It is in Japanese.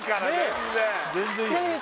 全然いいよ